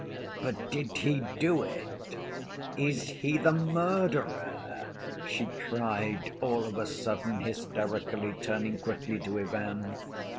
But did he do it? Is he the murderer?" she cried, all of a sudden, hysterically, turning quickly to Ivan.